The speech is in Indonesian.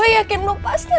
siapa tadi sih